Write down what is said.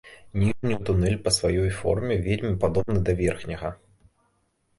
Ніжні тунэль па сваёй форме вельмі падобны да верхняга.